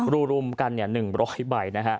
รูรุมกัน๑๐๐ใบ